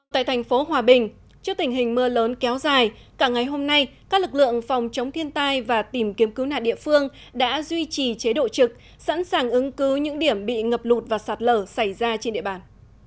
tại thành phố hòa bình trước tình hình mưa lớn kéo dài cả ngày hôm nay các lực lượng phòng chống thiên tai và tìm kiếm cứu nạn địa phương đã duy trì chế độ trực sẵn sàng ứng cứu những điểm bị ngập lụt và sạt lở xảy ra trên địa bàn